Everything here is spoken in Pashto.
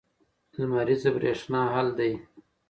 لمریزه برېښنا حل دی.